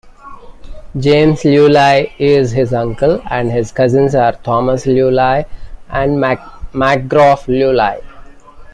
James Leuluai is his uncle and his cousins are Thomas Leuluai and Macgraff Leuluai.